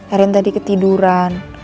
erin tadi ketiduran